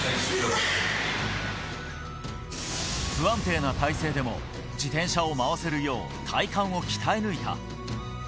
不安定な体勢でも、自転車を回せるよう、体幹を鍛え抜いた。